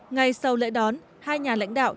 ngày sau lễ đón hai nhà lãnh đạo